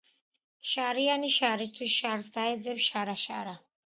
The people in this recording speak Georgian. შარიანი შარისათვის შარს დაეძებს შარა-შარა.